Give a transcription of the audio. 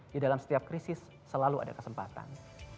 di dalam setiap krisis selalu ada kesempatan